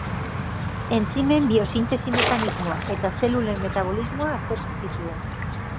Entzimen biosintesi-mekanismoa eta zelulen metabolismoa aztertu zituen.